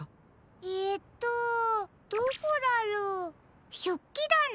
えとどこだろう？しょっきだな？